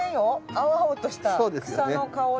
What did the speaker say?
青々とした草の香りです。